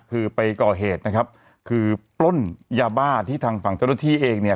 คือไปก่อเหตุนะครับคือปล้นยาบ้าที่ทางฝั่งเจ้าหน้าที่เองเนี่ย